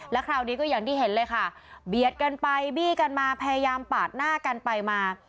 แล้วคราวนี้ก็อย่างที่เห็นเลยค่ะเบียดกันไปบี้กันมาพยายามปาดหน้ากันไปมา